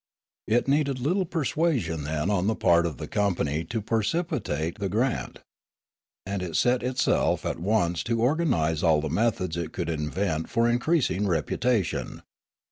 It needed, little persuasion then on the part of the company to precipitate the grant. And it set itself at once to organise all the methods it could invent for increasing reputation.